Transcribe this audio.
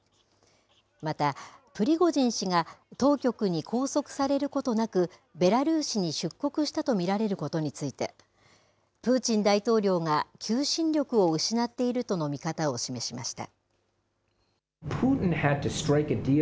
また、プリゴジン氏が当局に拘束されることなくベラルーシに出国したと見られることについてプーチン大統領が求心力を失っているとの見方を示しました。